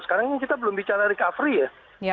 sekarang ini kita belum bicara recovery ya